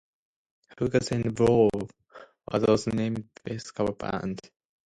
Hookers N' Blow was also named Best Cover Band.